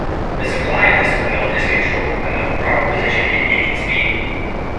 The supply of this oil is controlled by the throttle position and engine speed.